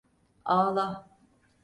Ağla!